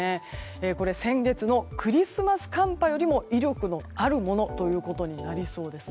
これ、先月のクリスマス寒波より威力のあるものとなりそうです。